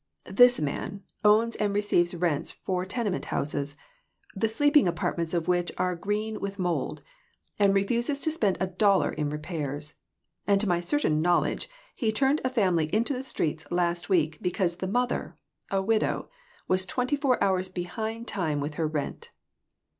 This man owns, and receives rent for tenement houses, the sleeping apartments of which are green with mold, and refuses to spend a dollar in repairs. And to my certain knowledge he turned a family into the streets last week, because the mother a widow was twenty four hours behind time with her rent.